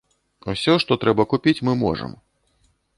Усё, што трэба купіць, мы можам.